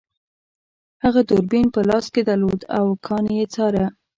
هغه دوربین په لاس کې درلود او کان یې څاره